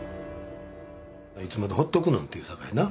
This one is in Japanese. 「いつまでほっとくの」って言うさかいな。